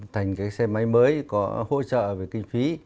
thành cái xe máy mới có hỗ trợ về kinh phí